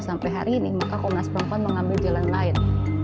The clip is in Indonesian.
sampai hari ini maka komnas perempuan mengambil jalan lain